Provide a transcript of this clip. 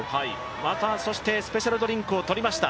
またスペシャルドリンクを取りました。